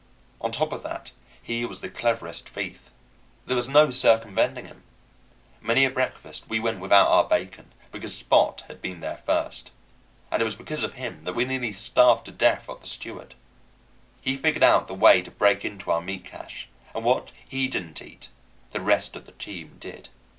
On top of that, he was the cleverest thief. These was no circumventing him. Many a breakfast we went without our bacon because Spot had been there first. And it was because of him that we nearly starved to death up the Stewart. He figured out the way to break into our meat cache, and what he didn't eat, the rest of the team did.